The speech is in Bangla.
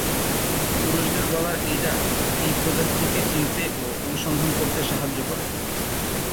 পুরুষদের গলার এই ডাক এই প্রজাতিটিকে চিনতে ও অনুসন্ধান করতে সাহায্য করে।